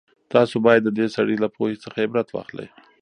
تاسو بايد د دې سړي له پوهې څخه عبرت واخلئ.